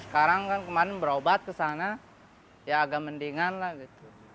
sekarang kan kemarin berobat kesana ya agak mendingan lah gitu